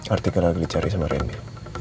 artikel lagi dicari sama remnya